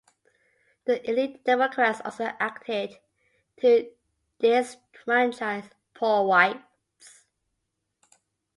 The elite Democrats also acted to disfranchise poor whites.